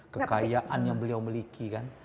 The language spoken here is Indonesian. kekayaan yang beliau miliki kan